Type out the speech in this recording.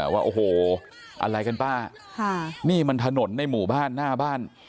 ว่าโอ้โหอะไรกันป้านี่มันถนนในหมู่บ้านหน้าบ้าน